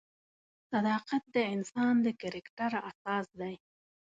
صداقت د انسان د کرکټر اساس دی.